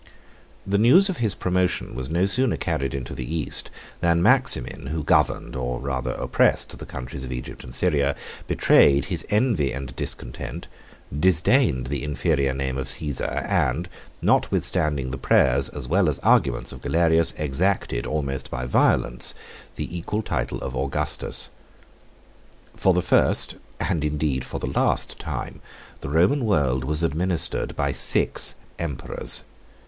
29 The news of his promotion was no sooner carried into the East, than Maximin, who governed, or rather oppressed, the countries of Egypt and Syria, betrayed his envy and discontent, disdained the inferior name of Cæsar, and, notwithstanding the prayers as well as arguments of Galerius, exacted, almost by violence, the equal title of Augustus. 30 For the first, and indeed for the last time, the Roman world was administered by six emperors.